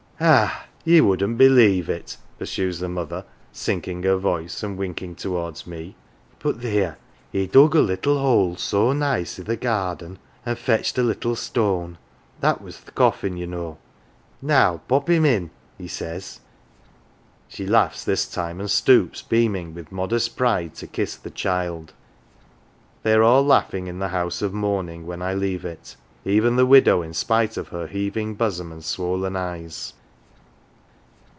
" Ah ! ye wouldn't believe it," pursues the mother, sinking her voice, and winking towards me, " but theer he dug a little hole so nice i' th' garden, and fetched a little stone that was th' coffin, ye know * Now, pop 214 HERE AND THERE him in !' he says. 11 She laughs this time, and stoops, beaming with modest pride, to kiss the child. They are all laughing in the house of mourning when I leave it, even the widow in spite of her heaving bosom and swollen eyes.